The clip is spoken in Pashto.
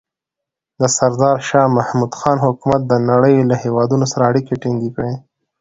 د سردار شاه محمود خان حکومت د نړۍ له هېوادونو سره اړیکې ټینګې کړې.